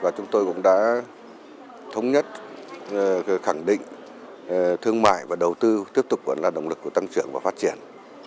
và chúng tôi cũng đã thống nhất khẳng định thương mại và đầu tư tiếp tục vẫn là động lực của tăng trưởng và phát triển